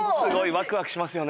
ワクワクしますよね。